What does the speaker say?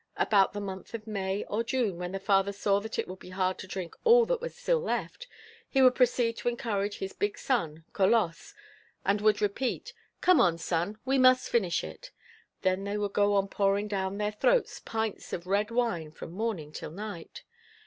About the month of May or June, when the father saw that it would be hard to drink all that was still left, he would proceed to encourage his big son, Colosse, and would repeat: "Come on, son, we must finish it." Then they would go on pouring down their throats pints of red wine from morning till night.